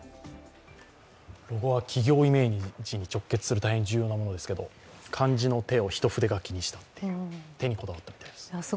ロゴは企業イメージに直結する大変重要なものですけど、漢字の手を一筆書きにしたという、手にこだわったようです。